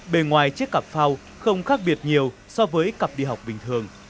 bề ngoài chiếc cặp phao không khác biệt nhiều so với cặp đi học bình thường